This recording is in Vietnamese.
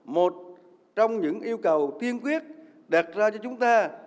một trong những yêu cầu tiên quyết đặt ra cho chúng ta